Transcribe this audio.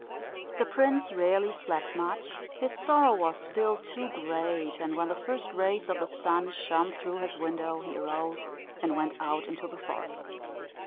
The prince rarely slept much; his sorrow was still too great; and when the first rays of the sun shone through his window, he arose, and went out into the forest.